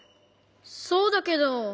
そうだけど。